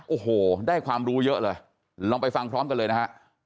โอ้โหได้ความรู้เยอะเลยลองไปฟังพร้อมกันเลยนะฮะ